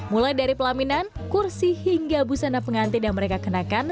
mulai dari pelaminan kursi hingga busana pengantin yang mereka kenakan